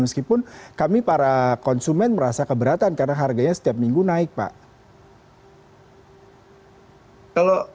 meskipun kami para konsumen merasa keberatan karena harganya setiap minggu naik pak